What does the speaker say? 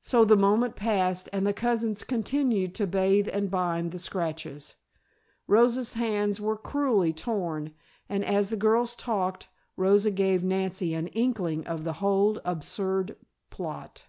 So the moment passed and the cousins continued to bathe and bind the scratches. Rosa's hands were cruelly torn and, as the girls talked, Rosa gave Nancy an inkling of the whole absurd plot.